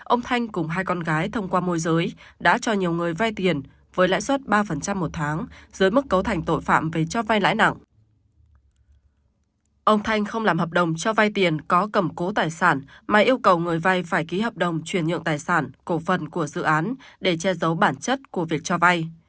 ông thanh không làm hợp đồng cho vai tiền có cầm cố tài sản mà yêu cầu người vai phải ký hợp đồng chuyển nhượng tài sản cổ phần của dự án để che giấu bản chất của việc cho vai